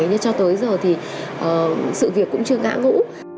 nhưng cho tới giờ thì sự việc cũng chưa ngã ngũ